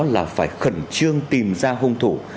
là phải khẩn trương tìm ra hung thủ